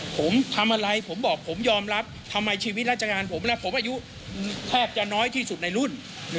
ผมทำอะไรผมบอกผมยอมรับทำไมชีวิตราชการผมและผมอายุแทบจะน้อยที่สุดในรุ่น